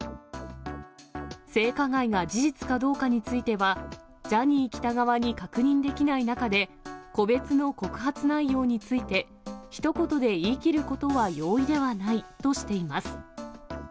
性加害が事実かどうかについては、ジャニー喜多川に確認できない中で、個別の告発内容について、ひと言で言い切ることは容易ではないとしています。